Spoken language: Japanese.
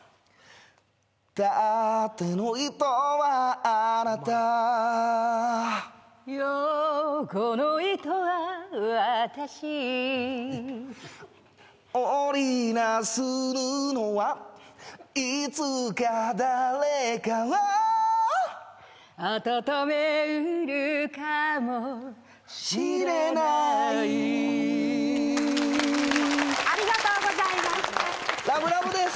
縦の糸はあなた横の糸は私織りなす布はいつか誰かを暖めうるかもしれないありがとうございましたラブラブです